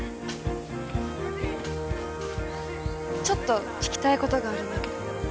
ちょっと聞きたいことがあるんだけど。